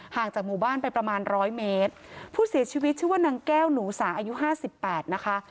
จากหมู่บ้านไปประมาณร้อยเมตรผู้เสียชีวิตชื่อว่านางแก้วหนูสาอายุห้าสิบแปดนะคะ